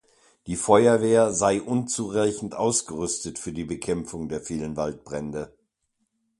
Die Feuerwehr sei unzureichend ausgerüstet für die Bekämpfung der vielen Waldbrände.